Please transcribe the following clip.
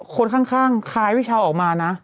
โคตรข้างคลายพี่เชาะออกมานะ